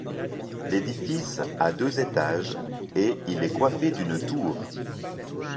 L'édifice a deux étages et il est coiffé d’une tour.